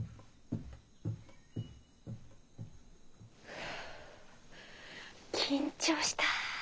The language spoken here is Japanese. フゥ緊張した。